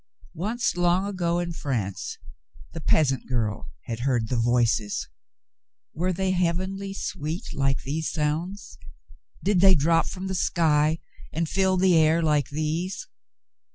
Once, long ago in France, the peasant girl had heard the "Voices." Were they heavenly sw^eet, like these sounds ? Did they drop from the sky and fill the air like these